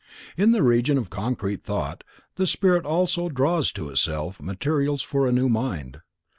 In the Region of Concrete Thought, the spirit also draws to itself materials for a new mind.